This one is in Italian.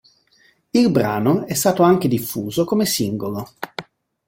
Il brano è stato anche diffuso come singolo.